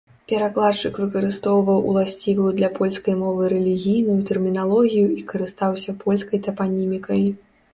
Перакладчык выкарыстоўваў уласцівую для польскай мовы рэлігійную тэрміналогію і карыстаўся польскай тапанімікай.